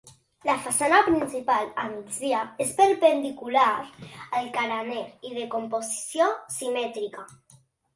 La façana principal, a migdia, és perpendicular al carener i de composició simètrica.